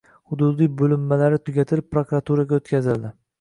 Hududiy bo'linmalari tugatilib, prokuraturaga o'tkazildi